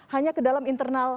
hanya ke dalam internal